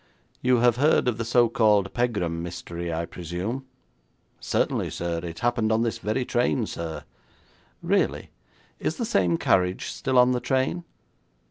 'You have heard of the so called Pegram mystery, I presume?' 'Certainly, sir. It happened on this very train, sir.' 'Really? Is the same carriage still on the train?'